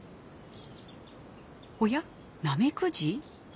おやナメクジ？